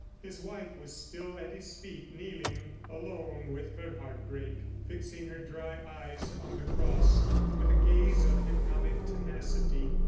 His wife was still at his feet, kneeling, alone with her heartbreak, fixing her dry eyes on the cross with a gaze of hypnotic tenacity.